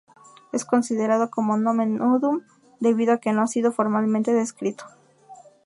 Es considerado como "nomen nudum", debido a que no ha sido formalmente descrito.